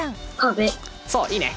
そういいね！